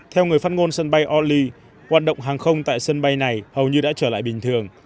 theo người phát ngôn sân bay oli hoạt động hàng không tại sân bay này hầu như đã trở lại bình thường